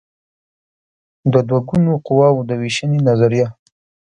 د دوه ګونو قواوو د وېشنې نظریه